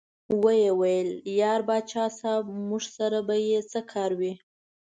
ویې ویل: یار پاچا صاحب موږ سره به یې څه کار وي.